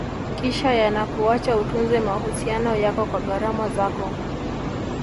kisha yanakuacha utunze mahusiano yako kwa gharama zako